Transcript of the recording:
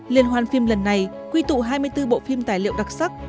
liên hoan phim lần này quy tụ hai mươi bốn bộ phim tài liệu đặc sắc